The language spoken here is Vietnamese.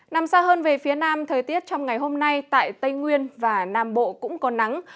nằm xa hơn về phía nam thời tiết trong ngày hôm nay tại tây nguyên và nam bộ cũng có nắng